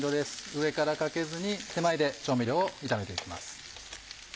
上からかけずに手前で調味料を炒めて行きます。